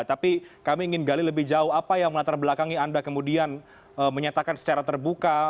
tapi kami ingin gali lebih jauh apa yang melatar belakangi anda kemudian menyatakan secara terbuka